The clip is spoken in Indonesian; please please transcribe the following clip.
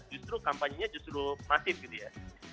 justru kampanye nya justru masif gitu ya